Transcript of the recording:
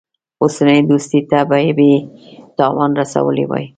اوسنۍ دوستۍ ته به یې تاوان رسولی وای.